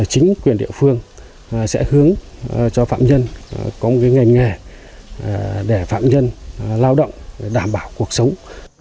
chính quyền địa phương sẽ hướng cho phạm nhân có một ngành nghề để phạm nhân lao động đảm bảo cuộc sống